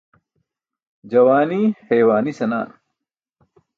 Juwaani haywaani senaa.